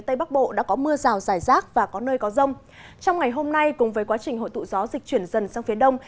trong ngày hôm nay cùng với quá trình hội tụ gió dịch chuyển dần sang phía đông